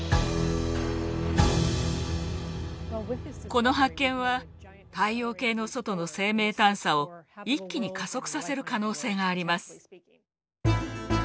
この発見は太陽系の外の生命探査を一気に加速させる可能性があります。